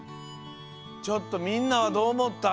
ちょっとみんなはどうおもった？